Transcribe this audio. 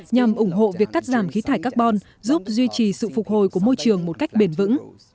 nhằm ủng hộ việc cắt giảm khí thải carbon giúp duy trì sự phục hồi của môi trường một cách bền vững